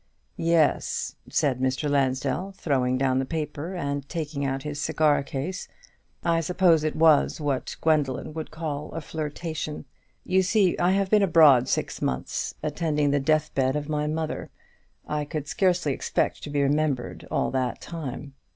"Yes," said Mr. Lansdell, throwing down the paper, and taking out his cigar case; "I suppose it was only what Gwendoline would call a flirtation. You see, I have been abroad six months attending the deathbed of my mother. I could scarcely expect to be remembered all that time.